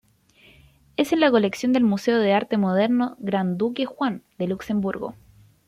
Es en la colección del Museo de Arte Moderno Gran Duque Juan, en Luxemburgo.